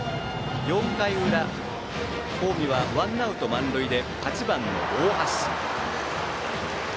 ４回裏、近江はワンアウト満塁で８番の大橋。